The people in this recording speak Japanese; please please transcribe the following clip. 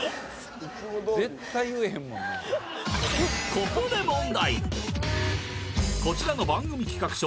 ここでこちらの番組企画書